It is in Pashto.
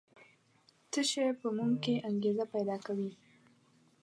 څه شی په موږ کې انګېزه پیدا کوي؟